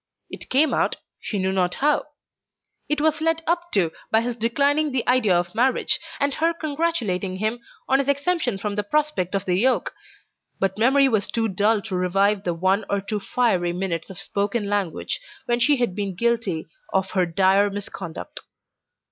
It came out, she knew not how. It was led up to by his declining the idea of marriage, and her congratulating him on his exemption from the prospect of the yoke, but memory was too dull to revive the one or two fiery minutes of broken language when she had been guilty of her dire misconduct.